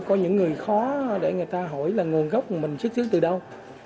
có những người khó để người ta hỏi là nguồn gốc của mình xuất xứ từ đâu